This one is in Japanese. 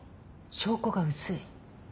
証拠が薄い。